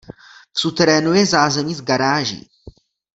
V suterénu je zázemí s garáží.